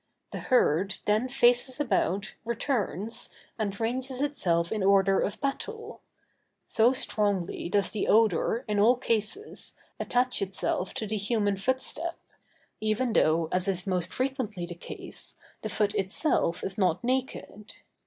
The herd then faces about, returns, and ranges itself in order of battle; so strongly does the odor, in all cases, attach itself to the human footstep, even though, as is most frequently the case, the foot itself is not naked.